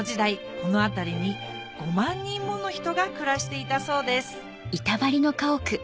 この辺りに５万人もの人が暮らしていたそうです